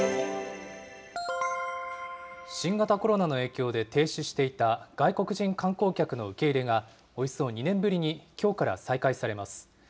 新型コロナの影響で停止していた外国人観光客の受け入れがおよそ２年ぶりにきょうから再開されます。